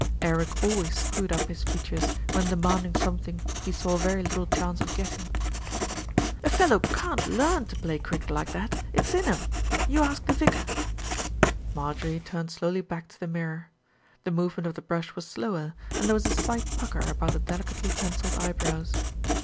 Eric always screwed up his features when demanding some thing he saw very little chance of getting. "A fellow can't learn to play cricket like that; it's; in him. You ask the vicar." Marjorie turned slowly back to the mirror. The movement of the brush was slower, and there was a slight pucker about the delicately pencilled eyebrows.